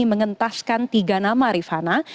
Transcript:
mengentaskan tiga nama rifana